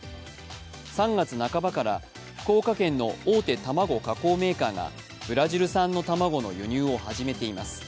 ３月半ばから福岡県の大手卵加工メーカーがブラジル産の卵の輸入を初めています。